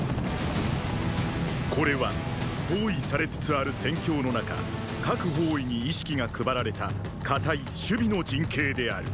これは包囲されつつある戦況の中各方位に意識が配られた固い守備の陣形である。